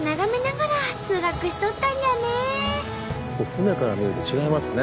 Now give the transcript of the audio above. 船から見ると違いますね。